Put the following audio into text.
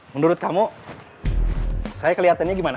menurut kamu saya kelihatannya gimana